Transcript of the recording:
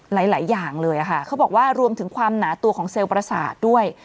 หลายอย่างเลยค่ะเขาบอกว่ารวมถึงความหนาตัวของเซลล์ประสาทด้วย